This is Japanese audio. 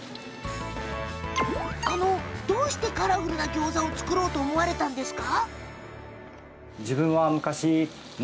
どうしてカラフルなギョーザを作ろうと思われたんですか？